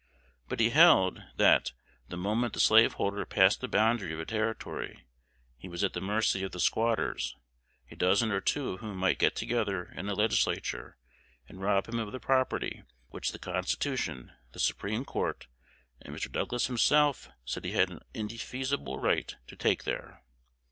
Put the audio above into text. But he held, that, the moment the slaveholder passed the boundary of a Territory, he was at the mercy of the squatters, a dozen or two of whom might get together in a legislature, and rob him of the property which the Constitution, the Supreme Court, and Mr. Douglas himself said he had an indefeasible right to take there.